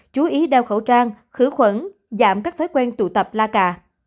chú ý đeo khẩu trang khử khuẩn giảm các thói quen tụ tập la cà